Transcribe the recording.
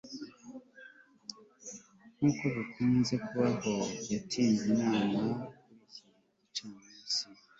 nkuko bikunze kumubaho, yatinze inama kuri iki gicamunsi